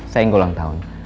saya yang ulang tahun